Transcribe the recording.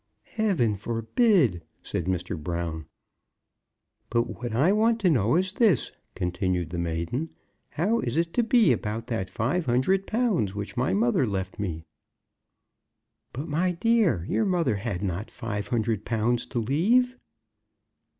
"Heaven forbid!" said Mr. Brown. "But what I want to know is this," continued the maiden; "how is it to be about that five hundred pounds which my mother left me?" "But, my dear, your mother had not five hundred pounds to leave."